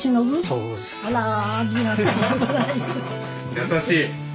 優しい！